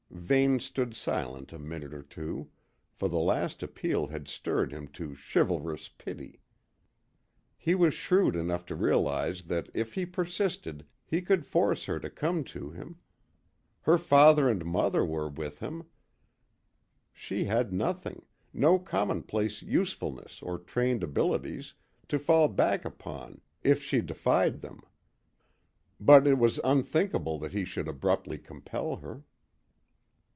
Vane stood silent a minute or two, for the last appeal had stirred him to chivalrous pity. He was shrewd enough to realise that if he persisted he could force her to come to him. Her father and mother were with him; she had nothing no common place usefulness or trained abilities to fall back upon if she defied them. But it was unthinkable that he should brutally compel her.